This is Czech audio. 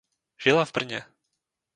Žila v Brně.